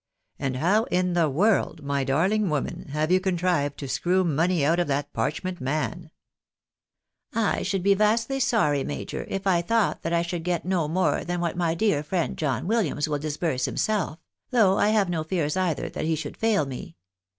And how in the world, my darling woman, have you contrived to screw money out of that parchment man ?"" I should be vastly sorry, major, if I thought that I should get no more than what my dear friend John Williams will disburse him self — though I have no fears either that he should fail me.